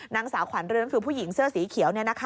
นางสาวขวัญเรื่องคือผู้หญิงเสื้อสีเขียว